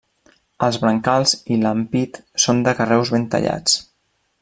Els brancals i l'ampit són de carreus ben tallats.